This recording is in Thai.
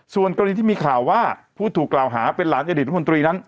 ส่วนกรณีที่มีข่าวว่าผู้ถูกกล่าวหาเป็นหลานอดีตรัฐมนตรีนั้น